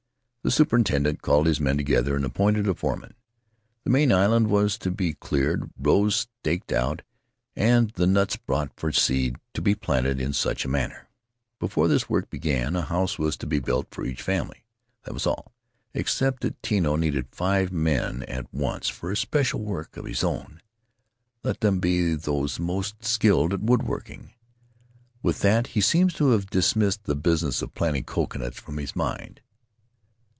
The superintendent called his men together and appointed a foreman. The main island was to be cleared, rows staked out, and the nuts brought for seed to be planted in such a manner. Before this work began, a house was to be built for each family. That was all, except that Tino needed five men at once for special work of his own — let them be those most skilled in woodworking. With that he seems to have dismissed the business of planting coconuts from his mind.